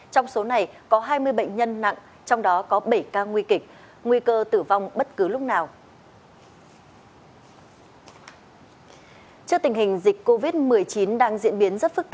trong số này có hai mươi bệnh nhân nặng trong đó có bảy ca nguy kịch nguy cơ tử vong bất cứ lúc nào